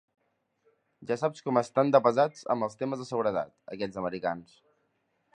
Ja saps com estan de pesats amb els temes de seguretat, aquests americans.